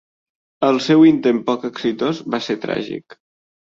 El seu intent poc exitós va ser tràgic.